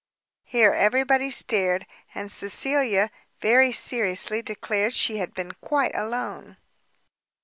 Here every body stared, and Cecilia very seriously declared she had been quite alone.